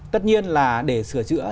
tất nhiên là để sửa chữa